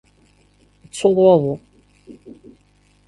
Yettsuḍ waḍu.